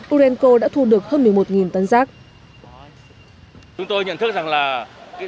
urenco đã thu được hơn một mươi một tấn rác